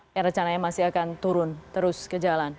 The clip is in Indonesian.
yang rencananya masih akan turun terus ke jalan